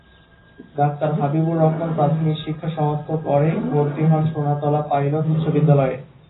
Doctor Habibur Rahman প্রাথমিক শিক্ষা সমাপ্ত করে ভর্তি হন সোনাতলা পাইলট উচ্চ বিদ্যালয়ে।